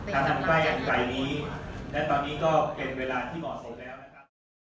ทำป้ายกันไกลนี้และตอนนี้ก็เป็นเวลาที่เหมาะสมแล้วนะครับ